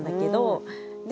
で